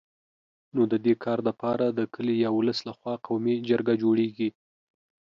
نو د دي کار دپاره د کلي یا ولس له خوا قومي جرګه جوړېږي